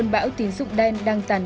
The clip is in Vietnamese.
và khó khăn